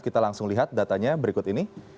kita langsung lihat datanya berikut ini